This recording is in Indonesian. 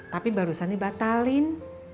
tapi barusan dibatalin